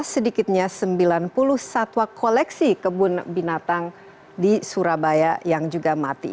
sedikitnya sembilan puluh satwa koleksi kebun binatang di surabaya yang juga mati